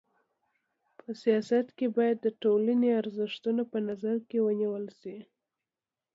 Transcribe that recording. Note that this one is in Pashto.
په سیاست کي بايد د ټولني ارزښتونه په نظر کي ونیول سي.